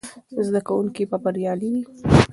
زده کوونکي به بریالي وي.